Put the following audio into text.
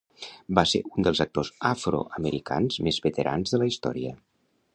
Va ser un dels actors afroamericans més veterans de la història.